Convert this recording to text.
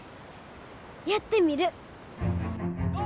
やってみる。